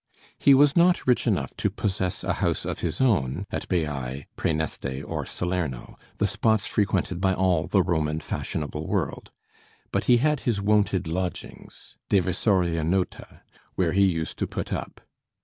He was not rich enough to possess a house of his own at Baiæ, Præneste, or Salerno, the spots frequented by all the Roman fashionable world, but he had his wonted lodgings ("deversoria nota"), where he used to put up.